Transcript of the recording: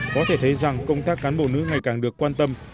có thể thấy rằng công tác cán bộ nữ ngày càng được quan tâm